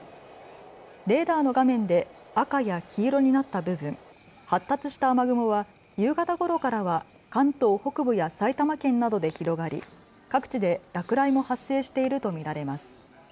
レーダーの画面で赤や黄色になった部分、発達した雨雲は夕方ごろからは関東北部や埼玉県などで広がり各地で落雷も発生していると見られます。